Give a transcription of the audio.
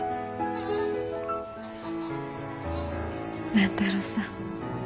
万太郎さん。